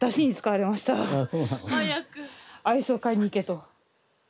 アイスを買いに行けと。